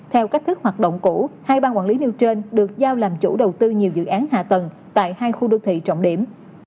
theo cách thức hoạt động cũ hai bang quản lý nêu trên được giao làm chủ đầu tư nhiều dự án hạ tầng tại hai khu đô thị trọng điểm